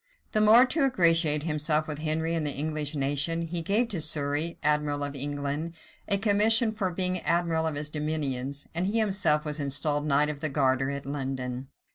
The more to ingratiate himself with Henry and the English nation, he gave to Surrey, admiral of England, a commission for being admiral of his dominions; and he himself was installed knight of the garter at London.